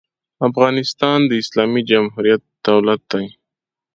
افغانستان د اسلامي جمهوري دولت دی.